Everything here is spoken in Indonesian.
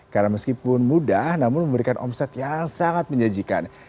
karena meskipun mudah namun memberikan omset yang sangat menjanjikan